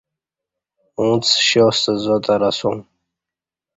اُݩڅ شاستہ زاتر اسوم